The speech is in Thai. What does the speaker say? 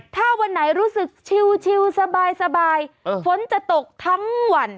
ถ้าวันไหนรู้สึกชิวสบายฝนจะตกทั้งวัน